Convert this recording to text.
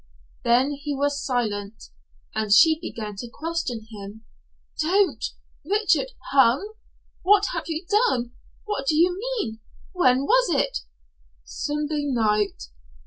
Then he was silent, and she began to question him. "Don't! Richard. Hung? What have you done? What do you mean? When was it?" "Sunday night."